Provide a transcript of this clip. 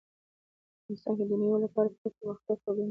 افغانستان کې د مېوو لپاره پوره دپرمختیا پروګرامونه شته دي.